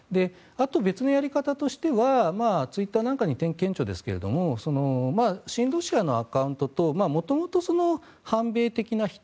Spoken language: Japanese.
あと別のやり方としてはツイッターなんかに顕著ですが親ロシアのアカウントと元々反米的な人